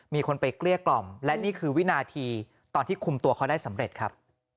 มีคนไปเกลี้ยกล่อมและนี่คือวินาทีตอนที่คุมตัวเขาได้สำเร็จครับ